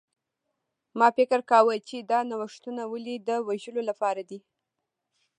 ما فکر کاوه چې دا نوښتونه ولې د وژلو لپاره دي